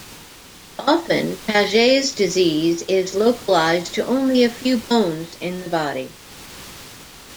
Often Paget's disease is localised to only a few bones in the body.